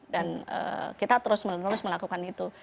dan kita terus terus melakukan itu